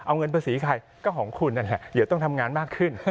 เอาเงินภาษีใครก็ของคุณนั่นแหละเดี๋ยวต้องทำงานมากขึ้น